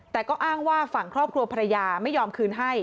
แต่ก็อ้างว่าฝั่งครอบครัวภรรยาไม่ยอมคืนให้